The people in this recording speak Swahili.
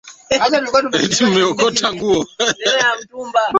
hiki kilikuwa kinajuliakana kwa umaarufu wake wa ukatili